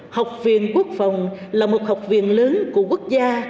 học viện quốc phòng là một học viện lớn của quốc gia